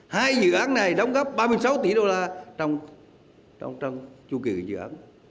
hai dự án này đóng góp ba mươi sáu tỷ đô la trong chu kỳ dự án